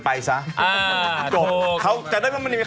ไม่รู้เหมือนกัน